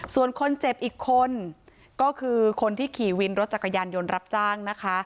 ส่วนคนเจ็บอีกคนก็คือคนที่ขี่วินรถจักรยานยนต์รับจ้างนะคะ